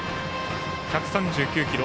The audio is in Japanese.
１３９キロ。